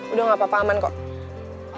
udah gak apa apa aman kok